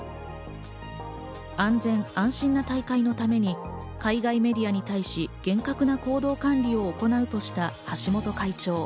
安全安心な大会のために海外メディアに対し、厳格な行動管理を行うとした橋本会長。